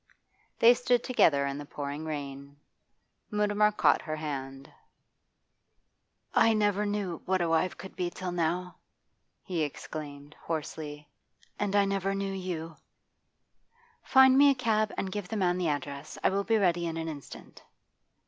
They stood together in the pouring rain. Mutimer caught her hand. 'I never knew what a wife could be till now,' he exclaimed hoarsely. 'And I never knew you!' 'Find me a cab and give the man the address. I will be ready in an instant.